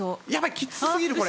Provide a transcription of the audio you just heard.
きつすぎるこれ。